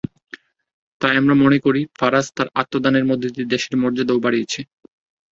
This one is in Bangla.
তাই আমরা মনে করি, ফারাজ তার আত্মদানের মধ্য দিয়ে দেশের মর্যাদাও বাড়িয়েছে।